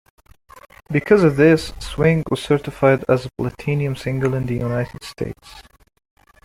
Because of this; "Swing" was certified as a platinum single in the United States.